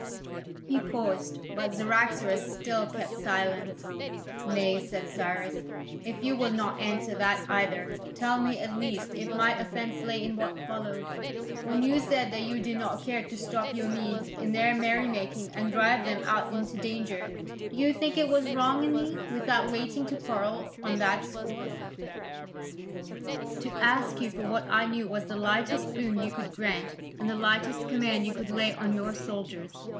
He paused, but Cyaxares still kept silence. "Nay," said Cyrus, "if you will not answer that either, tell me at least if my offence lay in what followed, when you said that you did not care to stop your Medes in their merry making and drive them out into danger, do you think it was wrong in me, without waiting to quarrel on that score, to ask you for what I knew was the lightest boon you could grant and the lightest command you could lay on your soldiers?